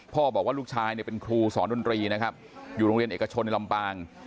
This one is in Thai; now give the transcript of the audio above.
บอกว่าลูกชายเนี่ยเป็นครูสอนดนตรีนะครับอยู่โรงเรียนเอกชนในลำปาง